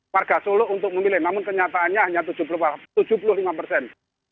warga solo untuk memilih namun kenyataannya hanya tujuh puluh lima persen